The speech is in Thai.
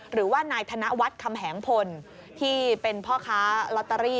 หรือว่านายธนวัฒน์คำแหงพลที่เป็นพ่อค้าลอตเตอรี่